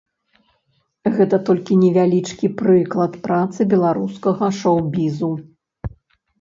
Гэта толькі невялічкі прыклад працы беларускага шоў-бізу.